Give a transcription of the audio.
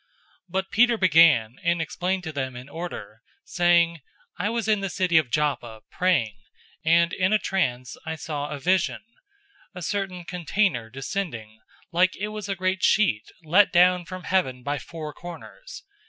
011:004 But Peter began, and explained to them in order, saying, 011:005 "I was in the city of Joppa praying, and in a trance I saw a vision: a certain container descending, like it was a great sheet let down from heaven by four corners.